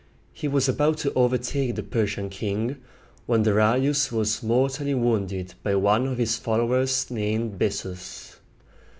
He was about to overtake the Persian king, when Darius was mortally wounded by one of his followers named Bes´sus.